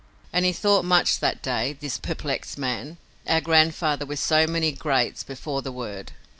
And he thought much that day, this perplexed man, our grandfather with so many "greats" before the word.